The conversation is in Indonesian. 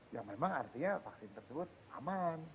yang memang artinya vaksin tersebut aman